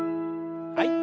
はい。